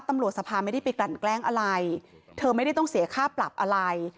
ตำรวจสภาไม่ได้ไปกลั่นแกล้งอะไรเธอไม่ได้ต้องเสียค่าปรับอะไร